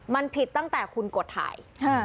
มันผิดตั้งแต่คุณกดถ่าย